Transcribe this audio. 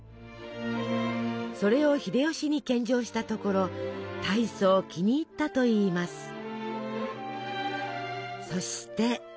それを秀吉に献上したところたいそう気に入ったといいます。